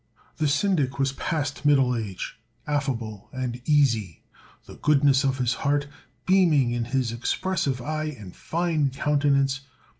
The Syndic was past middle age, affable and easy, the goodness of his heart beaming in his expressive eye and fine countenance.